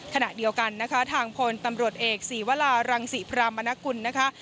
ขณะเดียวกันนะคะทางพลตำรวจเอกศีวรารังศรีพรามนกุลนะคะ